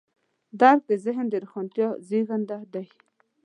درک د ذهن د روښانتیا زېږنده دی.